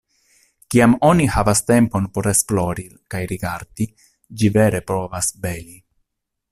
Kiam oni havas tempon por esplori kaj rigardi, ĝi vere povas beli.